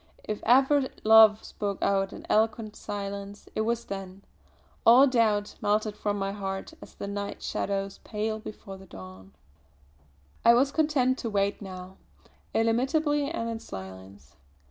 If ever love spoke out in eloquent silence it was then, all doubt melted from my heart, as the night shadows pale before the dawn. I was content to wait now, illimitably and in silence.